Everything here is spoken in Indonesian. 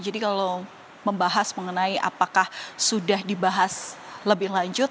jadi kalau membahas mengenai apakah sudah dibahas lebih lanjut